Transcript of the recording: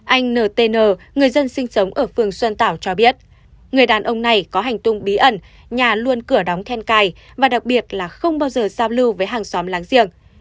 anh ntn người dân sinh sống ở phường xuân tảo cho biết người đàn ông này có hành tung bí ẩn nhà luôn cửa đóng then cài và đặc biệt là không bao giờ giao lưu với hàng xóm láng giềng